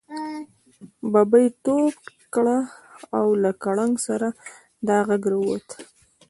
ببۍ ټوپ کړه او له کړنګ سره دا غږ را ووت.